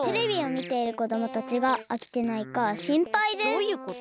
どういうこと？